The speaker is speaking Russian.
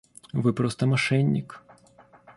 Вы просто мошенник.